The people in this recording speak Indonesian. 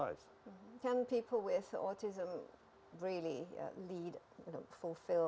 apakah orang orang dengan autism